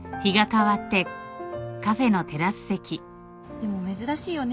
でも珍しいよね。